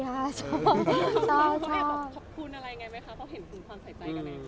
เขาพูดอะไรไงบ้างคะเขาเห็นส่วนความใส่ใจกันแหละ